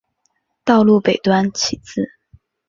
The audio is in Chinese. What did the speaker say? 道路北端起自。